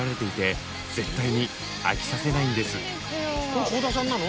これ倖田さんなの？